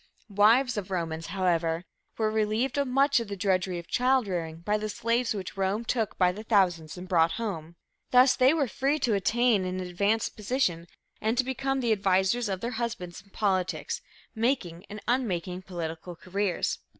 Wives of Romans, however, were relieved of much of the drudgery of child rearing by the slaves which Rome took by the thousands and brought home. Thus they were free to attain an advanced position and to become the advisors of their husbands in politics, making and unmaking political careers.